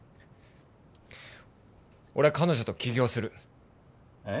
俺は彼女と起業するええ？